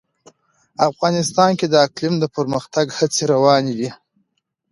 افغانستان کې د اقلیم د پرمختګ هڅې روانې دي.